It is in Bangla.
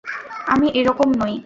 আমি এরকম নই।